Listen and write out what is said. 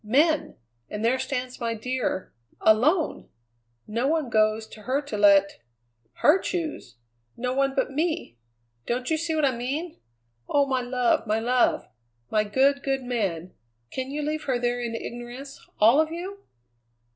men! and there stands my dear alone! No one goes to her to let her choose; no one but me! Don't you see what I mean? Oh! my love, my love! My good, good man, can you leave her there in ignorance, all of you?